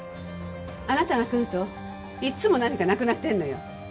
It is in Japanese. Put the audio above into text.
あなたが来るといつも何かなくなってるのよ。